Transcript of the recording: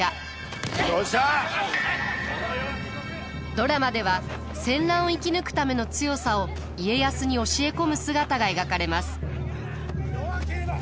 ドラマでは戦乱を生き抜くための強さを家康に教え込む姿が描かれます。